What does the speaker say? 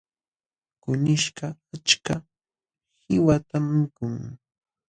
Kunishkaq achka qiwatam mikun.